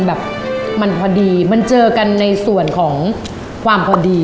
แบบมันพอดีมันเจอกันในส่วนของความพอดี